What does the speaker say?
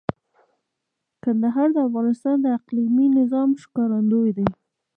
کندهار د افغانستان د اقلیمي نظام ښکارندوی دی.